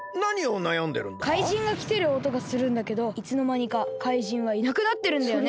怪人がきてるおとがするんだけどいつのまにか怪人はいなくなってるんだよね。